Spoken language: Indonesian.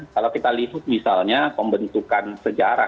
kalau kita lihat misalnya pembentukan sejarah